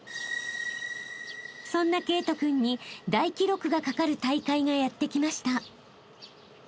［そんな慧登君に大記録がかかる大会がやってきました］